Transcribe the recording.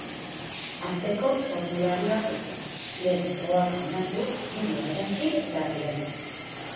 Hasteko, formularioa bete, lege oharra onartu, bideoa erantsi eta bidali.